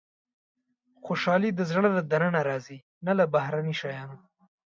• خوشالي د زړه له دننه راځي، نه له بهرني شیانو.